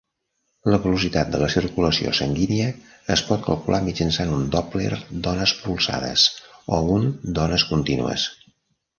La velocitat de la circulació sanguínia es pot calcular mitjançant un Doppler d'ones polsades o un d'ones contínues.